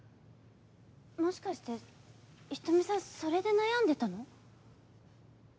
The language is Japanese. もしかして瞳さんそれで悩んでたの？